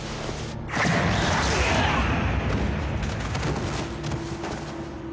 うわっ！